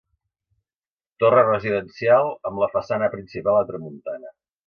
Torre residencial amb la façana principal a tramuntana.